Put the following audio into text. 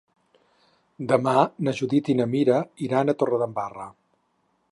Demà na Judit i na Mira iran a Torredembarra.